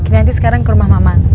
nanti sekarang ke rumah mama